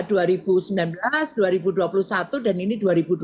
jadi ini sudah sembilan belas dua ribu dua puluh satu dan ini dua ribu dua puluh dua